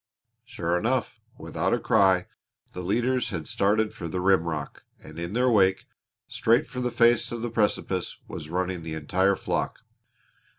Sure enough! Without a cry the leaders had started for the rimrock, and in their wake straight for the face of the precipice was running the entire flock.